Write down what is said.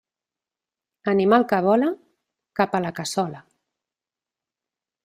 Animal que vola, cap a la cassola.